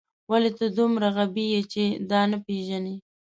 ولې ته دومره غبي یې چې دا نه پېژنې